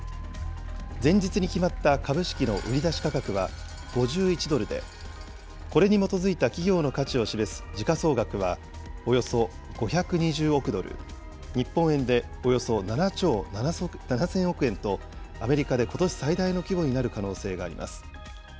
前日に決まった株式の売り出し価格は５１ドルで、これに基づいた企業の価値を示す時価総額は、およそ５２０億ドル、日本円でおよそ７兆７０００億円と、アメリカでことし最大の規模になる可能性があります。